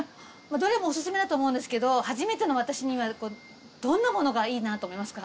どれもオススメだと思うんですけど初めての私にはどんなものがいいなと思いますか？